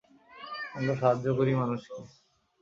আমরা সাহায্য করি মানুষকে।